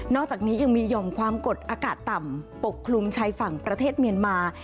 อกจากนี้ยังมีหย่อมความกดอากาศต่ำปกคลุมชายฝั่งประเทศเมียนมา